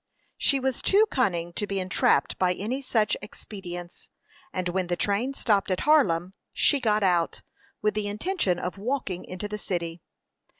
She was too cunning to be entrapped by any such expedients; and when the train stopped at Harlem, she got out, with the intention of walking into the city.